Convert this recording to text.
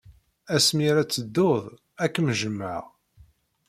Asmi ara teddud, ad kem-jjmeɣ.